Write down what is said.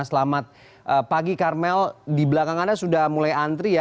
selamat pagi karmel di belakang anda sudah mulai antri ya